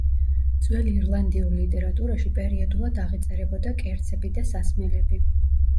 ძველ ირლანდიურ ლიტერატურაში პერიოდულად აღიწერებოდა კერძები და სასმელები.